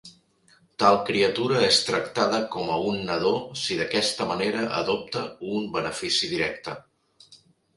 Tal criatura és tractada com a un nadó si d'aquesta manera adopta un benefici directe.